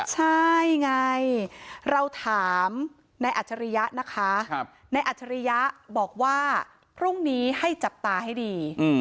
ใช่ไงเราถามนายอัจฉริยะนะคะในอัจฉริยะบอกว่าพรุ่งนี้ให้จับตาให้ดี